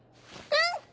うん！